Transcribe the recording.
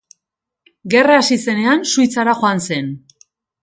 Gerra hasi zenean, Suitzara joan zen.